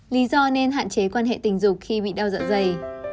lý do nên hạn chế quan hệ tình dục khi bị đau dạ dày